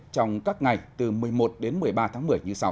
trong các ngày từ một mươi một đến một mươi ba tháng một mươi như sau